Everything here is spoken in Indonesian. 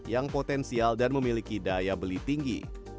yang potensial dan memiliki daya beli tinggi